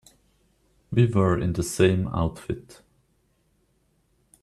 We were in the same outfit.